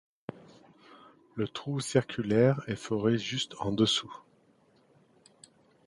Le trou circulaire est foré juste en dessous.